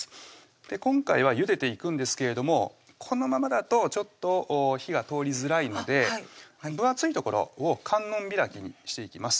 今回はゆでていくんですけれどもこのままだとちょっと火が通りづらいので分厚い所を観音開きにしていきます